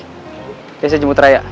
kayak saya jemput raya